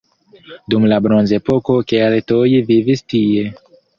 Dum la bronzepoko keltoj vivis tie.